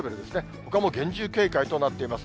ほかも厳重警戒となっています。